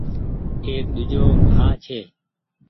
ايڪ ۮوجھو گآه ڇي۔